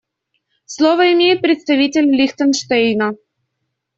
Слово имеет представитель Лихтенштейна.